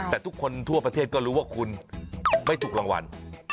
แต่ทุกคนทั่วประเทศก็รู้ว่าคุณไม่ถูกรางวัล